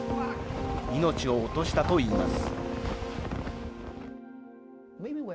命を落としたといいます。